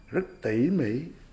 rất tỉ mỉ